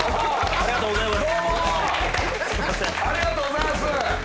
ありがとうございます！